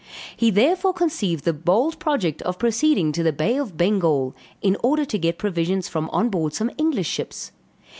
He therefore conceived the bold project of proceeding to the Bay of Bengal, in order to get provisions from on board some English ships.